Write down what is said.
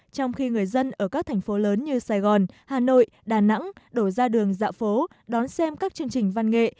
trong khi người dân ở các thành phố lớn như sài gòn hà nội đà nẵng đổ ra đường dạ phố đón xem các chương trình văn nghệ